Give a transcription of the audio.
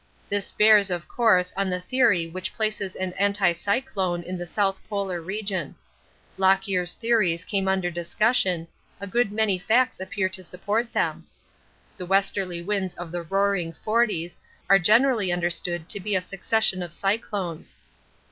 This bears of course on the theory which places an anticyclone in the South Polar region. Lockyer's theories came under discussion; a good many facts appear to support them. The westerly winds of the Roaring Forties are generally understood to be a succession of cyclones.